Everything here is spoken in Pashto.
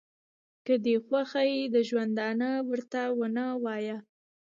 که دې خوښه ي ورته د ژوندانه ونه وایه.